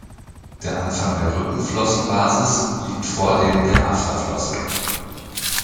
Der Anfang der Rückenflossenbasis liegt vor dem der Afterflosse.